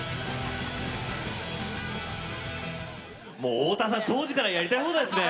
太田さん当時からやりたい放題ですね。